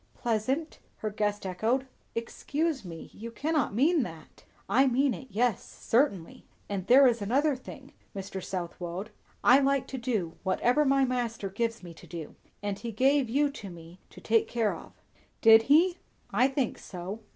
"Pleasant!" her guest echoed. "Excuse me; you cannot mean that?" "I mean it, yes, certainly. And there is another thing, Mr. Southwode; I like to do whatever my Master gives me to do; and he gave you to me to take care of." "Did he?" "I think so."